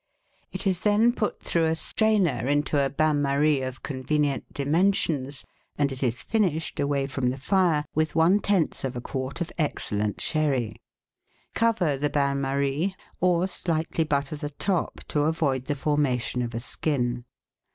It is then put through a strainer into a bain marie of convenient dimen sions, and it is finished, away from the fire, with one tenth of a quart of excellent sherry. Cover the bain marie, or slightly butter the top to avoid the formation of a skin.